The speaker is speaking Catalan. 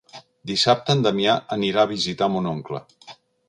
Dissabte en Damià anirà a visitar mon oncle.